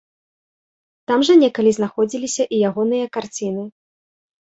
Там жа некалі знаходзіліся і ягоныя карціны.